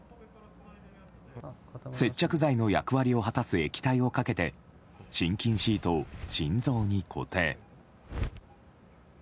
接着剤の役割を果たす液体をかけて心筋シートを心臓に固定。